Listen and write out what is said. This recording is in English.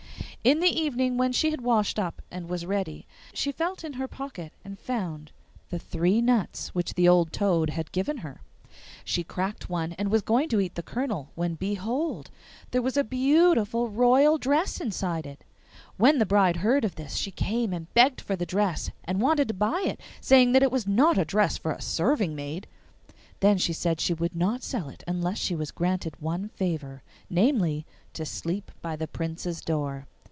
In the evening, when she had washed up and was ready, she felt in her pocket and found the three nuts which the old toad had given her. She cracked one and was going to eat the kernel, when behold! there was a beautiful royal dress inside it! When the bride heard of this, she came and begged for the dress, and wanted to buy it, saying that it was not a dress for a serving maid. Then she said she would not sell it unless she was granted one favour namely, to sleep by the Prince's door.